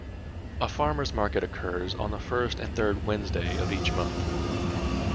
A farmers' market occurs on the first and third Wednesday of each month.